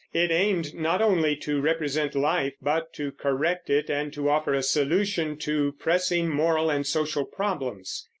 It aimed not only to represent life but to correct it, and to offer a solution to pressing moral and social problems.